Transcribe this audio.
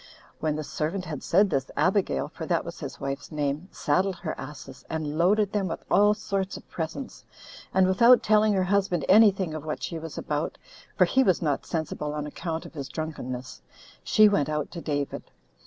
When the servant had said this, Abigail, for that was his wife's name, saddled her asses, and loaded them with all sorts of presents; and, without telling her husband any thing of what she was about, [for he was not sensible on account of his drunkenness,] she went to David.